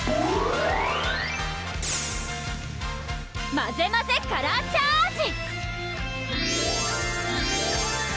まぜまぜカラーチャージ！